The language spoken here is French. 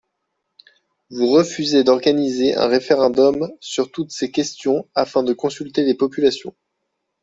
Vous refusez d’organiser un référendum sur toutes ces questions afin de consulter les populations.